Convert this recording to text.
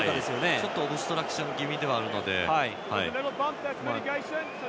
ちょっとオブストラクション気味なので。